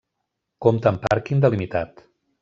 Compta amb pàrquing delimitat.